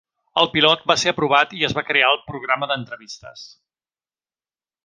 El pilot va ser aprovat i es va crear el programa d'entrevistes.